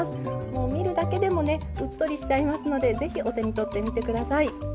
もう見るだけでもねうっとりしちゃいますので是非お手に取ってみて下さい。